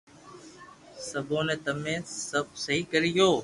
سپي بي تمي سب سھي ڪريو